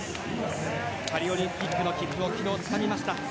パリオリンピックの切符を昨日、つかみました。